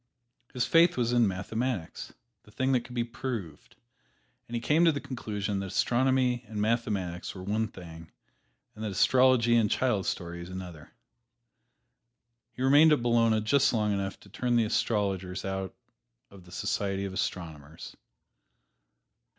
His faith was in mathematics the thing that could be proved and he came to the conclusion that astronomy and mathematics were one thing, and astrology and child stories another. He remained at Bologna just long enough to turn the astrologers out of the society of astronomers.